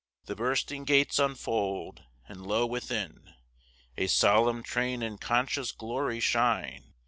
The bursting gates unfold: and lo, within, A solemn train in conscious glory shine.